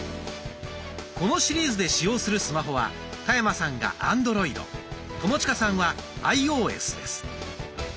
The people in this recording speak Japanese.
このシリーズで使用するスマホは田山さんがアンドロイド友近さんはアイオーエスです。